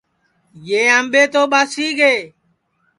یہ آمٻے تو ٻاسی گے